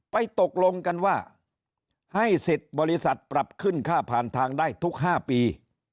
ตกลงกันว่าให้สิทธิ์บริษัทปรับขึ้นค่าผ่านทางได้ทุก๕ปี